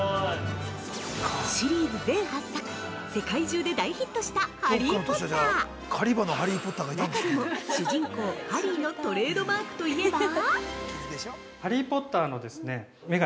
◆シリーズ全８作、世界中で大ヒットした「ハリー・ポッター」中でも主人公「ハリー」のトレードマークといえば？